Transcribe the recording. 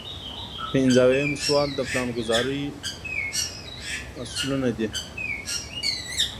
پنځه اویایم سوال د پلانګذارۍ اصلونه دي.